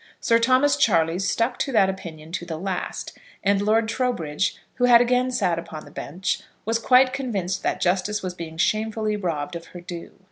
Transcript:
Sir Thomas Charleys stuck to that opinion to the last; and Lord Trowbridge, who had again sat upon the bench, was quite convinced that justice was being shamefully robbed of her due.